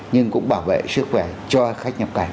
nhưng cũng bảo vệ sức khỏe cho khách nhập cảnh